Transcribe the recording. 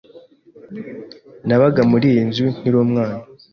Nabaga muri iyi nzu nkiri umwana.